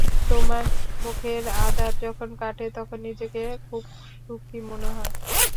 তোমার মুখের আঁধার যখন কাটে, তখন নিজেকে খুব সুখী মনে হয়।